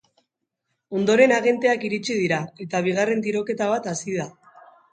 Ondoren agenteak iritsi dira, eta bigarren tiroketa bat hasi da.